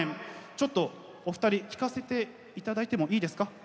ちょっとお二人聞かせて頂いてもいいですか？